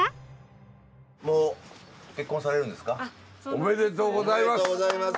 おめでとうございます！